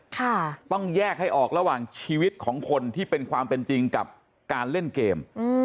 ค่ะต้องแยกให้ออกระหว่างชีวิตของคนที่เป็นความเป็นจริงกับการเล่นเกมอืม